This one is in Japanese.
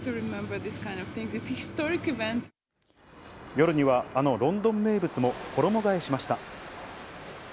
夜には、あのロンドン名物も衣替えしました。